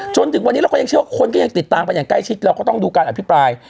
จนถึงวันนี้เราก็ยังเชื่อว่าคนก็ยังติดตามกันอย่างใกล้ชิดเราก็ต้องดูการอภิปราย